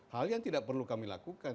hal yang tidak perlu kami lakukan